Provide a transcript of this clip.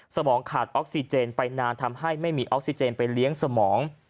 สมองขาดออกซิเจนไปนานทำให้ไม่มีออกซิเจนไปเลี้ยงสมอง